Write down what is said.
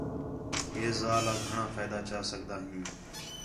ہِے ذالا گھݨاں فائدہ چا سڳدا ہیں